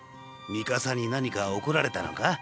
ミカサに何か怒られたのか？